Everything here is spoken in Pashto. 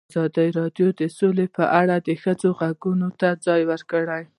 ازادي راډیو د سوله په اړه د ښځو غږ ته ځای ورکړی.